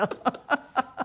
ハハハハ！